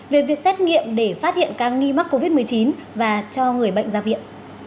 về việc xét nghiệm để phát hiện ca nghi mắc covid một mươi chín và cho người bệnh ra viện